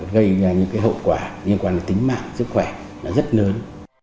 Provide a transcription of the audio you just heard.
gây ra những cái hậu quả liên quan đến tính mạng sức khỏe rất lớn